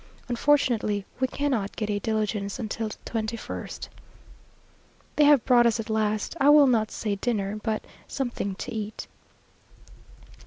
Unfortunately we cannot get a diligence until the 21st. They have brought us at last, I will not say dinner but something to eat.